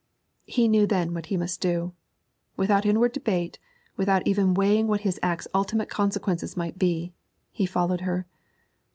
He knew then what he must do. Without inward debate, without even weighing what his act's ultimate consequences might be, he followed her.